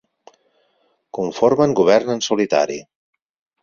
Conformen govern en solitari.